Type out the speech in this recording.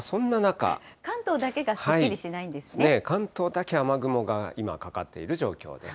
関東だけがすっきりしないん関東だけ、雨雲が今、かかっている状況です。